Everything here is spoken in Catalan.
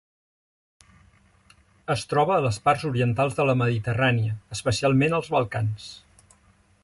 Es troba a les parts orientals de la Mediterrània, especialment als Balcans.